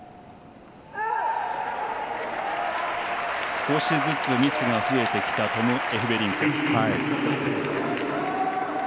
少しずつミスが増えてきたトム・エフベリンク。